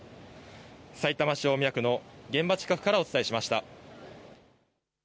さいたま市大宮区の現場近くからお伝えしました。